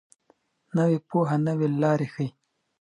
نوې پوهه نوې لارې ښيي.